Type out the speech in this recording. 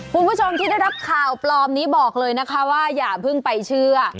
คุณผู้ชมที่ได้รับข่าวปลอมนี้บอกเลยนะคะว่าอย่าเพิ่งไปเชื่อ